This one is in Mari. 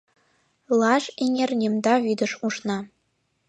Лаж — эҥер, Немда вӱдыш ушна.